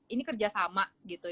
ini kerja sama gitu ya